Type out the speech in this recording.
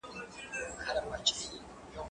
زه به سبا کالي وچوم!؟